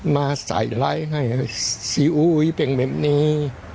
มาใส่ไลค์ให้ซีอุ๊ยเป็นแบบนี้